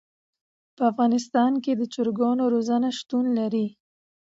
په افغانستان کې د چرګانو روزنه شتون لري.